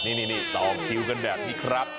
นี่ต่อคิวกันแบบนี้ครับ